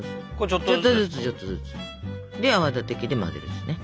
ちょっとずつちょっとずつ。で泡立て器で混ぜるんですね。